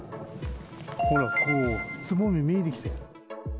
ほら、ここ、つぼみ見えてきた。